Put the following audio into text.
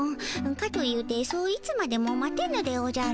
かというてそういつまでも待てぬでおじゃる。